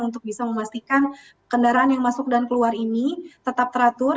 untuk bisa memastikan kendaraan yang masuk dan keluar ini tetap teratur